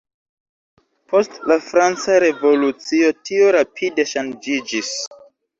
Post la Franca Revolucio tio rapide ŝanĝiĝis.